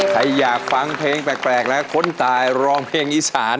ใครอยากฟังเพลงแปลกแล้วคนตายร้องเพลงอีสาน